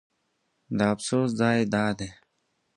د افسوس ځای دا دی.